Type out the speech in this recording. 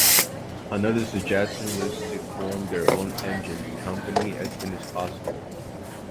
Another suggestion was to form their own engine company as soon as possible.